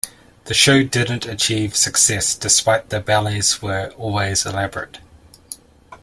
The show didn't achieve success despite the ballets were always elaborate.